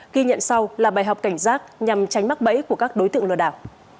ghi nhận sau là bài học cảnh giác nhằm tránh mắc bẫy của các đối tượng lừa đảo